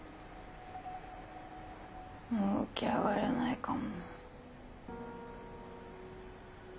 もう起き上がれないかも。